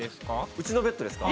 うちのベッドですか？